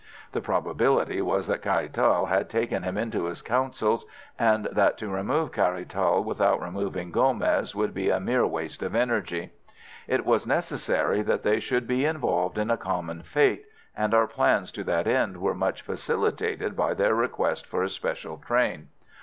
The probability was that Caratal had taken him into his counsels, and that to remove Caratal without removing Gomez would be a mere waste of energy. It was necessary that they should be involved in a common fate, and our plans to that end were much facilitated by their request for a special train.